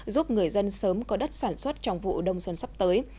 giúp người dân sớm có đất sản xuất trong vụ đông xuân sắp tới